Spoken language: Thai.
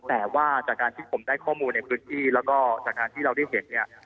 แต่ว่าจากการที่ผมได้ข้อมูลในพื้นที่แล้วก็จากการที่เราได้เห็นเนี่ย